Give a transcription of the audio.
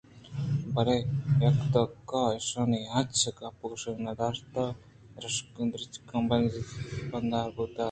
بلے دہقان ءَ ایشانی ہچ گپّ گوش نہ داشت ءُ درٛچک ءِ بُرّگ ءَ بِنا بُوت